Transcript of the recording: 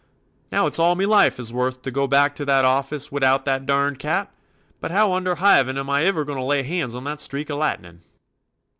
Now, it 's all me life is worth to go back to that office wid out that durned cat, but how under hivin am I iver to lay hands on that streak o' lightnin"?"